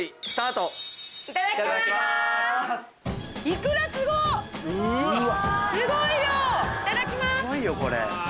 いただきます！